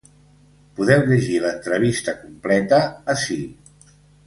Podeu llegir l’entrevista completa ací.